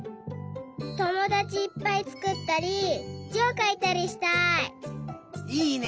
ともだちいっぱいつくったりじをかいたりしたい！